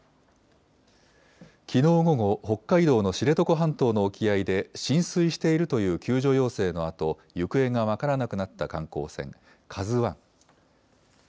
きのう午後、北海道の知床半島の沖合で、浸水しているという救助要請のあと、行方が分からなくなった観光船、ＫＡＺＵわん。